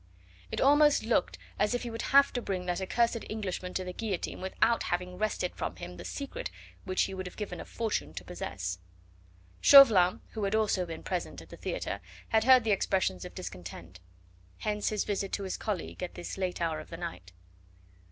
It almost looked as if he would have to bring that accursed Englishman to the guillotine without having wrested from him the secret which he would have given a fortune to possess. Chauvelin, who had also been present at the theatre, had heard the expressions of discontent; hence his visit to his colleague at this late hour of the night.